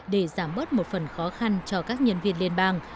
để giảm bớt một phần khó khăn cho các nhân viên liên bang